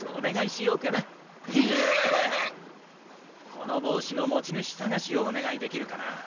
この帽子の持ち主探しをお願いできるかな？